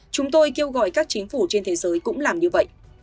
chúng tôi kêu gọi các chính phủ trên thế giới cũng làm như vậy